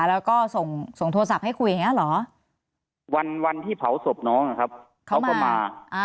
แล้วก็ส่งโทรศัพท์ให้คุยอย่างนี้เหรอวันที่เผาศพน้องนะครับเขาก็มา